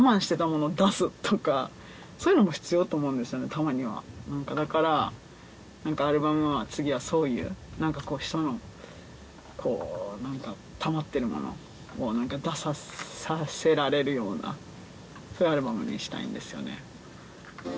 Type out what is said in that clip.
たまにはだから何かアルバムは次はそういう何かこう人のこう何だろたまってるものを何か出ささせられるようなそういうアルバムにしたいんですよね